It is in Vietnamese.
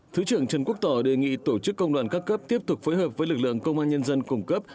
thứ trưởng trần quốc tỏ đề nghị tổ chức công đoàn các cấp tiếp tục phối hợp với lực lượng công an nhân dân cung cấp